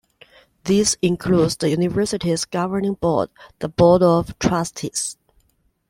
This includes the university's governing board, the Board of Trustees.